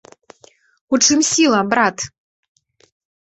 У чым сіла, брат?